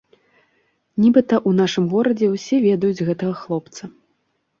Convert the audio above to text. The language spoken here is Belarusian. Нібыта, у нашым горадзе ўсе ведаюць гэтага хлопца.